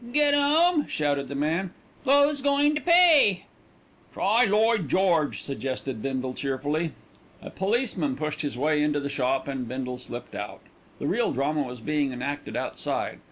"Get 'ome!" shouted the man. "'Oo's goin' to pay?" "Try Lloyd George!" suggested Bindle cheerfully. A policeman pushed his way into the shop and Bindle slipped out. The real drama was being enacted outside.